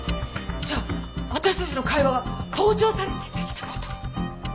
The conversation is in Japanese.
じゃあ私たちの会話が盗聴されてたって事！？